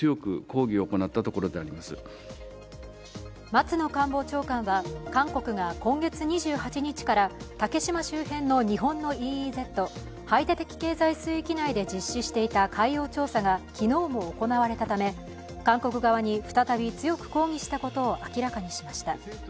松野官房長官は、韓国が今月２８日から竹島周辺の日本のＥＥＺ＝排他的経済水域内で実施していた海洋調査が昨日も行われたため、韓国側に再び強く抗議したことを明らかにしました。